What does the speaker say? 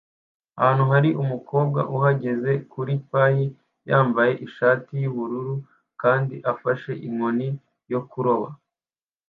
Hano hari umukobwa uhagaze kuri pir yambaye ishati yubururu kandi afashe inkoni yo kuroba